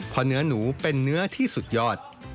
เพราะเนื้อหนูเป็นเนื้อที่สุดยอด